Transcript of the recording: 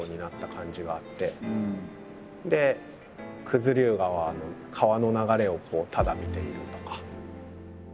九頭竜川の川の流れをただ見ているとか。